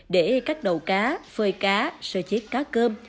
để các đầu cá phơi cá sơ chế cá cơm